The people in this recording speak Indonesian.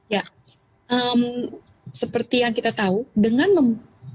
ya seperti yang kita tahu dengan membaiknya mobilitas masyarakat